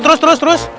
terus terus terus